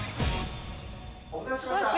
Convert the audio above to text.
・お待たせしました。